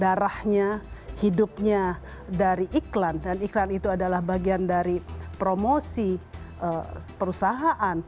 darahnya hidupnya dari iklan dan iklan itu adalah bagian dari promosi perusahaan